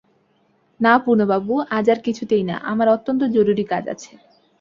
না পূর্ণবাবু, আজ আর কিছুতেই না, আমার অত্যন্ত জরুরি কাজ আছে।